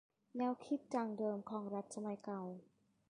แนวคิดดั้งเดิมของรัฐสมัยเก่า